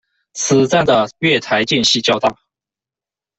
此站的月台间隙较大。